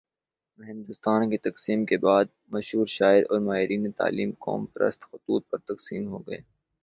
میں ہندوستان کی تقسیم کے بعد، مشہور شاعر اور ماہرین تعلیم قوم پرست خطوط پر تقسیم ہو گئے۔